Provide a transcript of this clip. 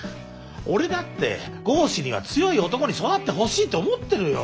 俺だって剛士には強い男に育ってほしいと思ってるよ。